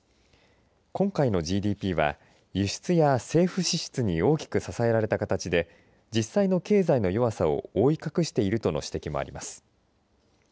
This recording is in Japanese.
今回のＧＤＰは輸出や政府支出に大きく支えられた形で実際の経済の弱さを覆い隠しているとの指摘もあります。